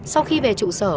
sau khi về trụ sở